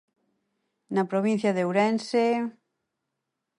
Na provincia de Ourense...